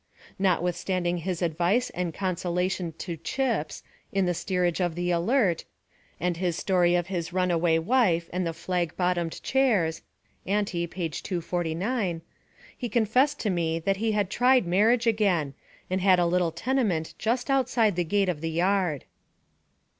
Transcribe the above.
Notwithstanding his advice and consolation to "Chips," in the steerage of the Alert, and his story of his runaway wife and the flag bottomed chairs (ante, p. 249), he confessed to me that he had tried marriage again, and had a little tenement just outside the gate of the yard.